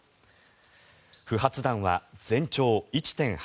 不発弾は全長１．８ｍ。